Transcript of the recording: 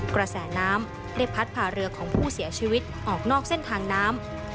กระแสน้ำได้พัดผ่าเรือของผู้เสียชีวิตออกนอกเส้นทางน้ำ